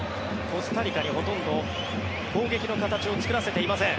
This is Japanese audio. コスタリカにほとんど攻撃の形を作らせていません。